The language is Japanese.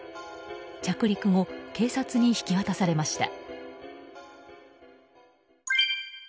着陸後、警察に引き渡されました。